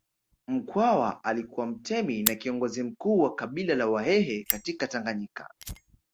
Mkwawa alikuwa mtemi na kiongozi mkuu wa kabila la Wahehe katika Tanganyika